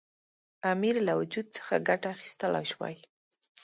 امیر له وجود څخه ګټه اخیستلای شوای.